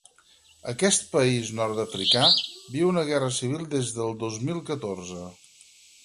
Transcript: Aquest país nord-africà viu una guerra civil des del dos mil catorze.